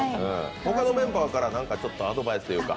他のメンバーからアドバイスというか。